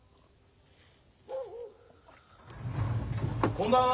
・・こんばんは。